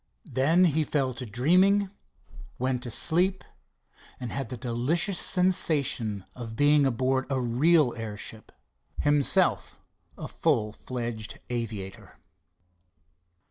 Then he fell to dreaming, went to sleep, and had the delicious sensation of being aboard of a real airship, himself a full fledged aviator.